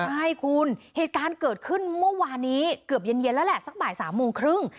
ใช่คุณเหตุการณ์เกิดขึ้นเมื่อวานนี้เกือบเย็นแล้วแหละสักบ่าย๓โมงครึ่ง